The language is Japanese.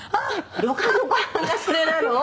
「旅館のご飯がそれなの？」